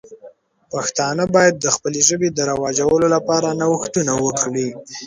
پښتانه باید د خپلې ژبې د رواجولو لپاره نوښتونه وکړي.